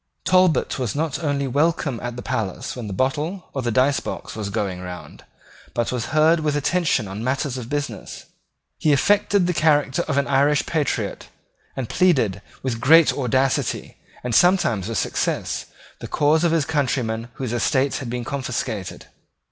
Talbot was not only welcome at the palace when the bottle or the dicebox was going round, but was heard with attention on matters of business. He affected the character of an Irish patriot, and pleaded, with great audacity, and sometimes with success, the cause of his countrymen whose estates had been confiscated.